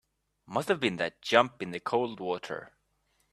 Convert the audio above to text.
Must have been that jump in the cold water.